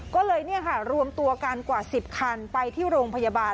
ก็เลยเนี่ยค่ะรวมตัวกันกว่าสิบคันไปที่โรงพยาบาล